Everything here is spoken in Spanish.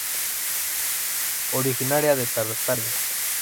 Originaria de Tartaria.